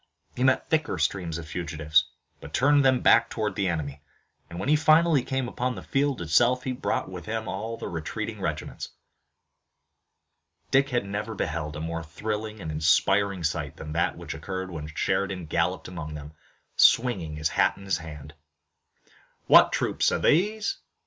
He met thicker streams of fugitives, but turned them back toward the enemy, and when he finally came upon the field itself he brought with him all the retreating regiments. Dick never beheld a more thrilling and inspiring sight than that which occurred when Sheridan galloped among them, swinging his hat in his hand. "What troops are these?"